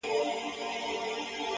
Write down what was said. چاته د دار خبري ډيري ښې دي;